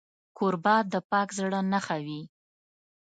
کوربه د پاک زړه نښه وي.